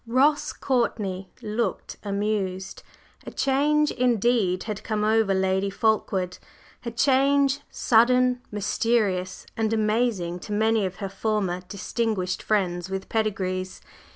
Ross Courtney looked amused. A change indeed had come over Lady Fulkeward a change, sudden, mysterious and amazing to many of her former distinguished friends with "pedigrees."